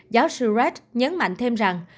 giáo sư red nhấn mạnh thêm rằng